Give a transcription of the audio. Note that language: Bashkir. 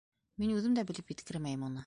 - Мин үҙем дә белеп еткермәйем уны.